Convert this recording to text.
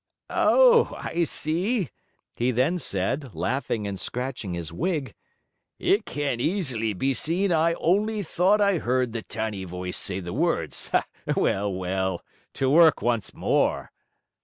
"Oh, I see!" he then said, laughing and scratching his Wig. "It can easily be seen that I only thought I heard the tiny voice say the words! Well, well to work once more."